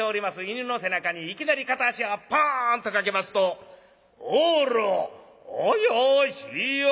犬の背中にいきなり片足をポンとかけますと「あら怪しやな」